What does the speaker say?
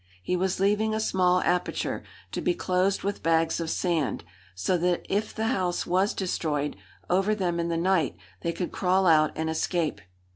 He was leaving a small aperture, to be closed with bags of sand, so that if the house was destroyed over them in the night they could crawl out and escape.